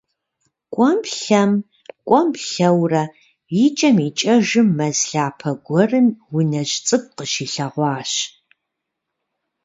КӀуэм-лъэм, кӀуэм-лъэурэ, икӀэм икӀэжым, мэз лъапэ гуэрым унэжь цӀыкӀу къыщилъэгъуащ.